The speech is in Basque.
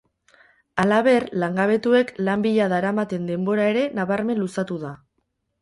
Halaber, langabetuek lan bila daramaten denbora ere nabarmen luzatu da.